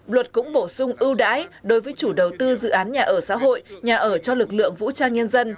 luật cũng bổ sung ưu đãi đối với chủ đầu tư dự án nhà ở xã hội nhà ở cho lực lượng vũ trang nhân dân